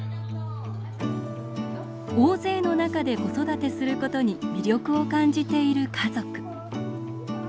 大勢の中で子育てすることに魅力を感じている家族。